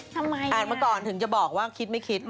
ทำไมน่ะอ่านเมื่อก่อนถึงจะบอกว่าคิดไม่คิด